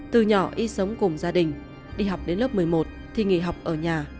từ nhỏ y sống cùng gia đình đi học đến lớp một mươi một thì nghỉ học ở nhà